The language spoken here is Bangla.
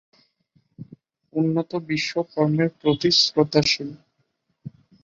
উন্নত বিশ্ব কর্মের প্রতি শ্রদ্ধাশীল।